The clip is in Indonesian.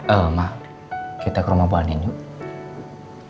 eh ma kita ke rumah buahin yuk